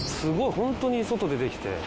本当に外出てきて。